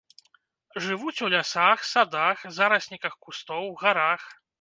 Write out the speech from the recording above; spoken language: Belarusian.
Жывуць у лясах, садах, зарасніках кустоў, гарах.